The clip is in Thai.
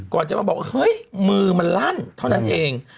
ก่อนจะมาบอกเฮ้ยมือมันลั่นเท่านั้นเอง